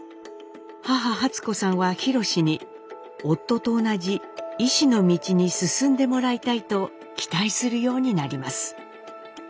母初子さんはひろしに夫と同じ医師の道に進んでもらいたいと期待するようになります。